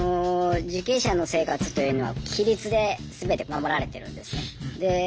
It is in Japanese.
受刑者の生活というのは規律で全て守られてるんですね。